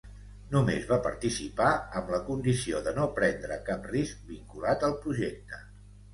Només va participar amb la condició de no prendre cap risc vinculat al projecte.